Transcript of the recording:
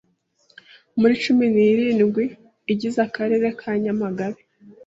muri cumi nirindwi igize Akarere ka Nyamagabe,